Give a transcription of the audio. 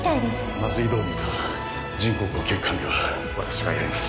麻酔導入と人工呼吸管理は私がやります